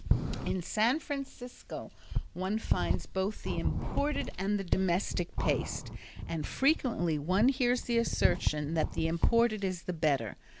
In San Francisco one finds both the imported and the domestic paste, and frequently one hears the assertion that the imported is the better.